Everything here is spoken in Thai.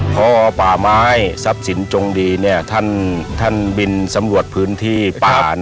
พ่อป่าไม้ทรัพย์สินจงดีเนี่ยท่านบินสำรวจพื้นที่ป่านะครับ